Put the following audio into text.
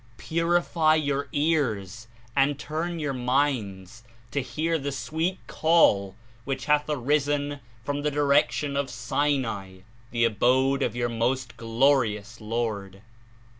Purify your ears and turn your minds to hear the sweet Call which hath arisen from the direction of Sinai, the abode of your Most Glorious Lord.